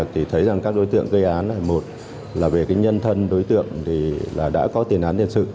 thì thấy rằng các đối tượng gây án là một là về nhân thân đối tượng thì đã có tiền án tiền sử